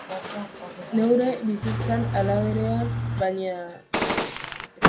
Neure bizitzan ala berean, baina...